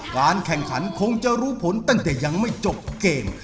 การแข่งขันคงจะรู้ผลตั้งแต่ยังไม่จบเกม